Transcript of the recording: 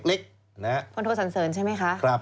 พลโทสันเสิร์นใช่ไหมคะ